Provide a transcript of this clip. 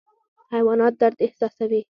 حیوانات درد احساسوي